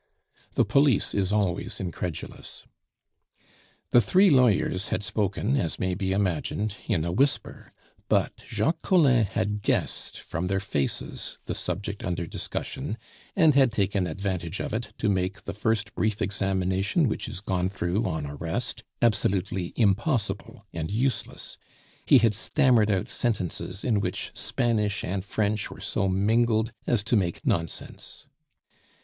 The police is always incredulous. The three lawyers had spoken, as may be imagined, in a whisper; but Jacques Collin had guessed from their faces the subject under discussion, and had taken advantage of it to make the first brief examination which is gone through on arrest absolutely impossible and useless; he had stammered out sentences in which Spanish and French were so mingled as to make nonsense.